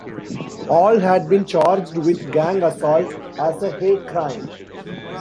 All had been charged with gang assault as a hate crime.